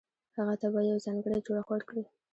هغه ته به يو ځانګړی جوړښت ورکړي.